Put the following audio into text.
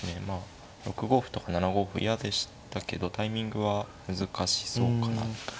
６五歩とか７五歩嫌でしたけどタイミングは難しそうかなっていう。